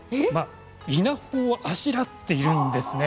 稲穂をあしらっているんですね。